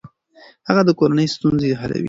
هغه د کورنۍ ستونزې حلوي.